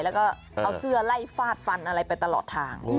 แล้วก็เอาเสื้อไล่ฟาดฟันอะไรไปตลอดทาง